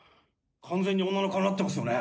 完全に女の顔になってますよね？